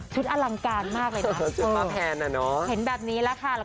ชุดอลังการมากเลยนะชุดป้าแพนอ่ะเนอะเห็นแบบนี้แหละค่ะ